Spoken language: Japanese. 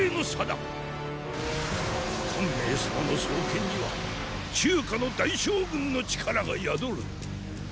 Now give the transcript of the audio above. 汗明様の双肩には中華の大将軍の力が宿る。